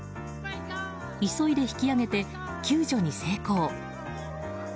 急いで引き上げて救助に成功。